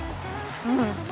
うん。